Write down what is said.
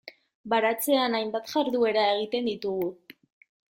Baratzean hainbat jarduera egiten ditugu.